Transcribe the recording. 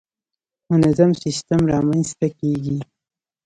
منظم سیستم رامنځته کېږي.